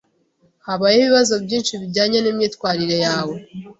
Habayeho ibibazo byinshi bijyanye nimyitwarire yawe.